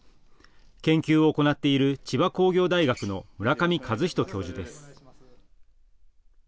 研究を行っている千葉工業大学の村上和仁教授です。